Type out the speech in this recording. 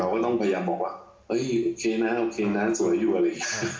ก็ต้องพยายามบอกว่าโอเคนะโอเคนะสวยอยู่อะไรอย่างนี้